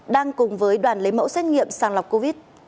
đang cùng với đoàn lấy mẫu xét nghiệm sàng lọc covid